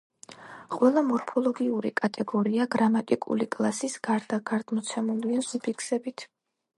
ყველა მორფოლოგიური კატეგორია, გრამატიკული კლასის გარდა, გადმოცემულია სუფიქსებით.